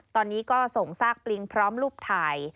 ตอนนี้ก็ส่งซากปลิงพร้อมรูปถ่าย